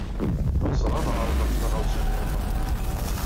Ɣseɣ ad ɛerḍeɣ taɣawsa niḍen.